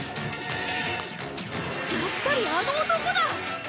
やっぱりあの男だ！